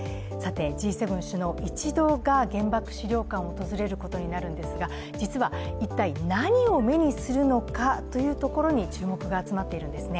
Ｇ７首脳一同が原爆資料館を訪れることになっているんですが実は一体何を目にするのかというところに注目が集まっているんですね。